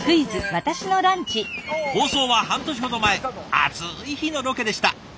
放送は半年ほど前暑い日のロケでした。